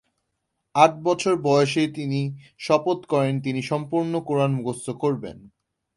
আট বছর বয়সে তিনি শপথ করেন তিনি সম্পূর্ণ কোরআন মুখস্থ করবেন।